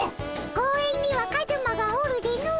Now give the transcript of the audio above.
公園にはカズマがおるでの。